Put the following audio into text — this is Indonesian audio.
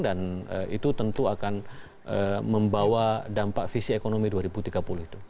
dan itu tentu akan membawa dampak visi ekonomi dua ribu tiga puluh itu